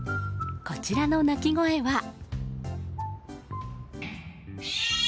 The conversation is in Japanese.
こちらの鳴き声は。